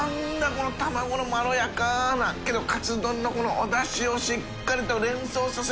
この卵のまろやかな韻カツ丼のこのおだしをしっかりと連想させる。